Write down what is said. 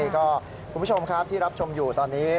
ก็คุณผู้ชมครับที่รับชมอยู่ตอนนี้